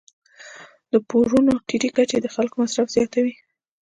د پورونو ټیټې کچې د خلکو مصرف زیاتوي.